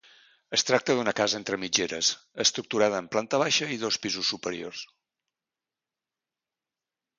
Es tracta d'una casa entre mitgeres estructurada en planta baixa i dos pisos superiors.